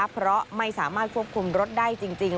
เพราะไม่สามารถควบคุมรถได้จริง